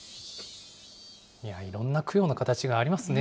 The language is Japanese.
いろんな供養の形がありますね。